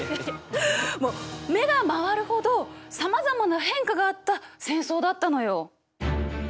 もう目が回るほどさまざまな変化があった戦争だったのよ。